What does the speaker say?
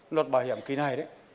luật bảo hiểm kỳ này đấy